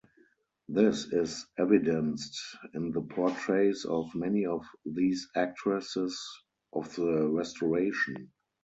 This is evidenced in the portraits of many of these actresses of the Restoration.